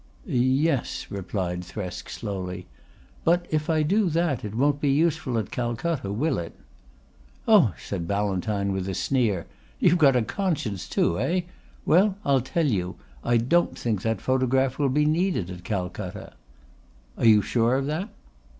"Yes," replied Thresk slowly. "But if I do that, it won't be useful at Calcutta, will it?" "Oh," said Ballantyne with a sneer. "You've got a conscience too, eh? Well, I'll tell you. I don't think that photograph will be needed at Calcutta." "Are you sure of that?"